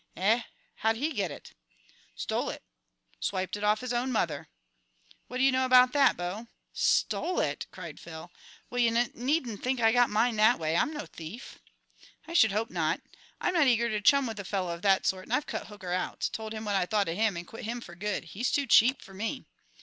"Eh? How did he get it?" "Stole it; swiped it off his own mother. What do you know about that, Bo?" "Stole it!" cried Phil. "Well, you nun needn't think I got mine that way! I'm no thief!" "I should hope not. I'm not eager to chum with a fellow of that sort, and I've cut Hooker out; told him what I thought of him and quit him for good. He's too cheap for me."